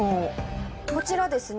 こちらですね